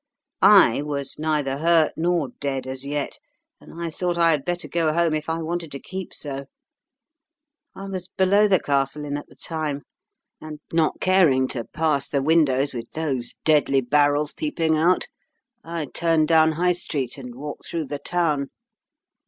I was neither hurt nor dead as yet, and I thought I had better go home if I wanted to keep so. I was below the Castle Inn at the time, and not caring to pass the windows with those deadly barrels peeping out I turned down High Street, and walked through the town.